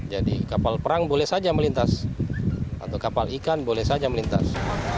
jadi kapal perang boleh saja melintas atau kapal ikan boleh saja melintas